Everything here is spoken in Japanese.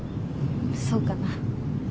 そうかな。